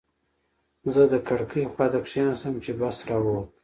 زه د کړکۍ خواته کېناستم چې بس را ووت.